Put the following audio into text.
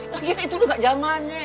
hai lagi itu udah nggak zamannya